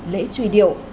lễ truy điệu